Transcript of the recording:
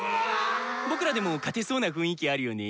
僕らでも勝てそうな雰囲気あるよね。